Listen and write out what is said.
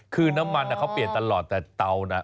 คือน้ำมันเขาเปลี่ยนตลอดแต่เตานะ